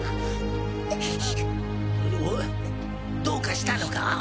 どうかしたのか？